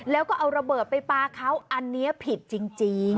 แล้วก็เอาระเบิดไปปลาเขาอันนี้ผิดจริง